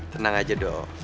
tenang aja dong